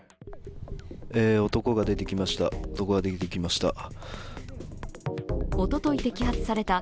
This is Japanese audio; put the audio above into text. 男が出てきました。